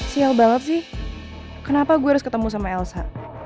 sial balap sih kenapa gue go datu sama elsa